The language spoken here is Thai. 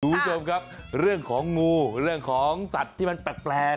คุณผู้ชมครับเรื่องของงูเรื่องของสัตว์ที่มันแปลก